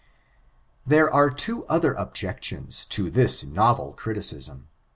There are two other otgecdons to this novel eritkasm.